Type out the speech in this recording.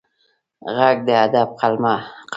غږ د ادب قلمه ده